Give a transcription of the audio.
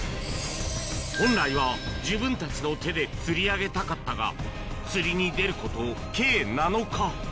本来は自分たちの手で釣り上げたかったが、釣りに出ること計７日。